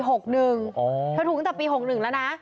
ถูกตั้งแต่ปี๖๑แล้วนะ